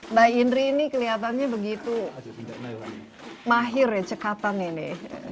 mbak indri ini kelihatannya begitu mahir ya cekatan ini